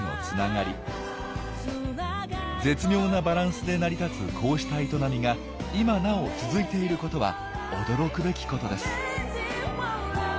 絶妙なバランスで成り立つこうした営みが今なお続いていることは驚くべきことです。